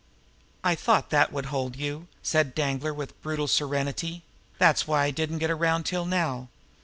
"I thought that would hold you!" said Danglar with brutal serenity. "That's why I didn't get around till now.